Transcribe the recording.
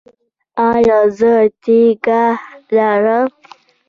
ایا زه تیږه لرم؟